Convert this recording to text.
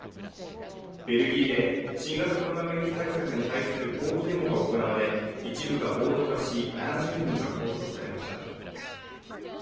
ベルギーで新型コロナウイルス対策に対する抗議デモが行われ一部が暴徒化し７０人が拘束されました。